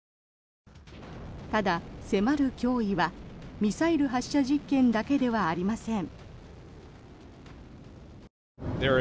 ただ、迫る脅威はミサイル発射実験だけではありません。